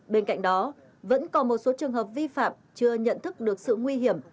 bên cạnh đó vẫn còn một số trường hợp vi phạm chưa nhận thức được sự nguy hiểm